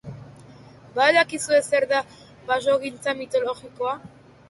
Ba al dakizue zer den basogintza mikologikoa?